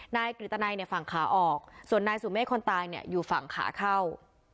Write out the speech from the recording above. นายกริตนัยฝั่งขาออกส่วนนายสูญเมดคนตายอยู่ฝั่งขาเข้า